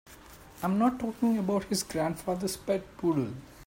I'm not talking about his grandfather's pet poodle.